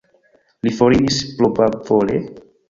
Li foriris propravole?